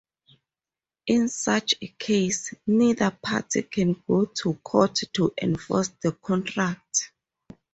In such a case, neither party can go to court to enforce the contract.